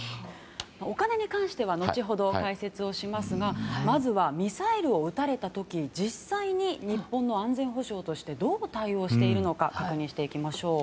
お金に関しては後ほど解説しますがまずはミサイルを撃たれた時実際に日本の安全保障としてどう対応しているのか確認していきましょう。